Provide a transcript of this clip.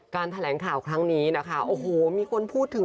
แถลงข่าวครั้งนี้นะคะโอ้โหมีคนพูดถึง